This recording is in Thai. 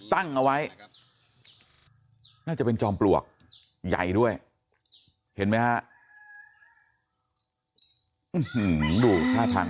ตั้งเอาไว้น่าจะเป็นจอมปลวกใหญ่ด้วยเห็นไหมฮะดูท่าทาง